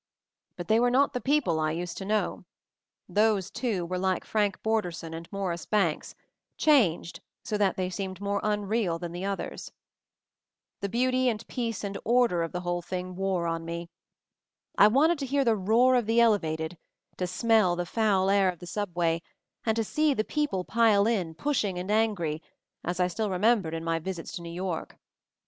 But they were not the people I used to know; those, too, were like Frank Borderson and Morris Banks — changed so that they seemed more unreal than the others. The beauty and peace and order of the MOVING THE MOUNTAIN' 275 whole thing wore on me. I wanted to hear the roar of the elevated— to smell the foul air of the subway and see the people pile in, pushing and angry, as I still remembered in my visits to New York.